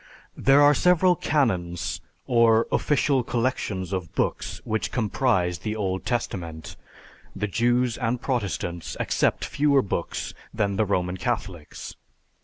There are several canons, or official collection of books which comprise the Old Testament. The Jews and Protestants accept fewer books than the Roman Catholics.